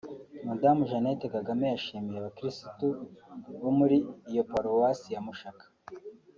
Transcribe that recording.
Madamu Jeannette Kagame yashimiye abakirisitu bo muri iyo Paruwasi ya Mushaka